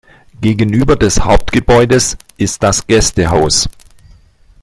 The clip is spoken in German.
Gegenüber des Hauptgebäudes ist das Gästehaus.